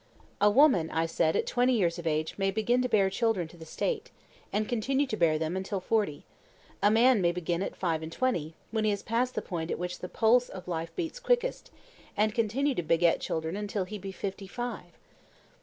A woman, I said, at twenty years of age may begin to bear children to the State, and continue to bear them until forty; a man may begin at five and twenty, when he has passed the point at which the pulse of life beats quickest, and continue to beget children until he be fifty five.